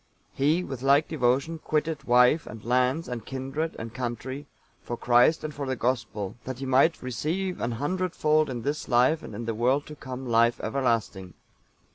He, with like devotion, quitted wife, and lands, and kindred and country, for Christ and for the Gospel, that he might "receive an hundred fold in this life, and in the world to come life everlasting."